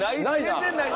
全然ない！